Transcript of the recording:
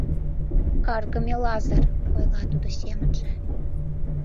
— Каргыме Лазыр, — ойла тудо семынже.